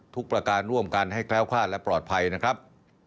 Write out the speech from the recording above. ประการร่วมกันให้แคล้วคลาดและปลอดภัยนะครับ